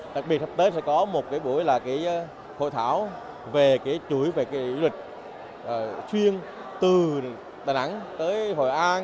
đặc biệt thập tế sẽ có một buổi hội thảo về chuỗi về du lịch chuyên từ đà nẵng tới hội an